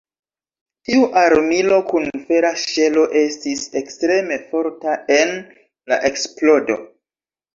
Tiu armilo kun fera ŝelo estis ekstreme forta en la eksplodo.